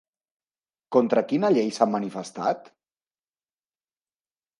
Contra quina llei s'han manifestat?